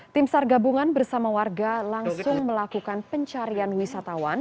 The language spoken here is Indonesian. tim sargabungan bersama warga langsung melakukan pencarian wisatawan